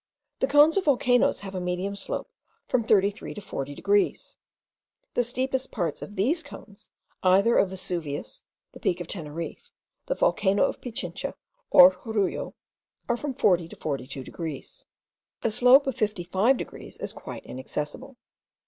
The cones of volcanoes have a medium slope from 33 to 40 degrees. The steepest parts of these cones, either of Vesuvius, the Peak of Teneriffe, the volcano of Pichincha, or Jorullo, are from 40 to 42 degrees. A slope of 55 degrees is quite inaccessible.